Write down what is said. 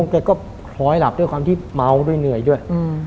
แกก็คล้อยหลับด้วยความที่เมาด้วยเหนื่อยด้วย